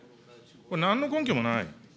これ、なんの根拠もない。